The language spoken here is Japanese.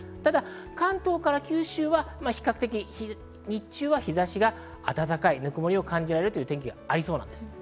関東から九州は比較的日中は日差しが暖かいぬくもりを感じられる天気になりそうです。